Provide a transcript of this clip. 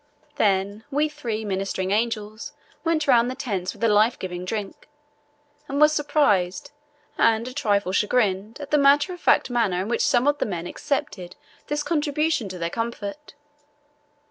Then we three ministering angels went round the tents with the life giving drink, and were surprised and a trifle chagrined at the matter of fact manner in which some of the men accepted this contribution to their comfort.